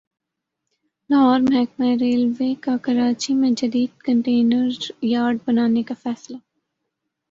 لاہور محکمہ ریلوے کا کراچی میں جدید کنٹینر یارڈ بنانے کا فیصلہ